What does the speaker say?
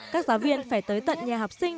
các giáo viên phải tới tận nhà học sinh